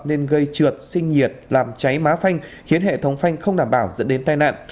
nên gây trượt sinh nhiệt làm cháy má phanh khiến hệ thống phanh không đảm bảo dẫn đến tai nạn